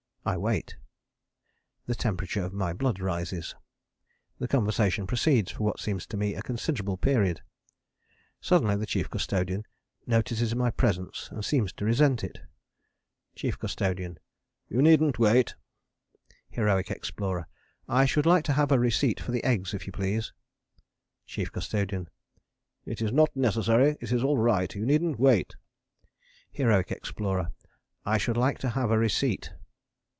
I wait. The temperature of my blood rises. The conversation proceeds for what seems to me a considerable period. Suddenly the Chief Custodian notices my presence and seems to resent it. CHIEF CUSTODIAN. You needn't wait. HEROIC EXPLORER. I should like to have a receipt for the eggs, if you please. CHIEF CUSTODIAN. It is not necessary: it is all right. You needn't wait. HEROIC EXPLORER. I should like to have a receipt.